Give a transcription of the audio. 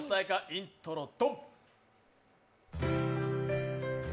イントロ・ドン。